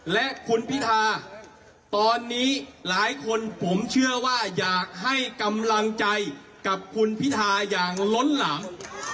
แล้วจะพิธาอย่างล้นหลั่ง